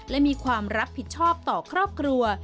และมีความรับผิดชอบต่อครอบครัว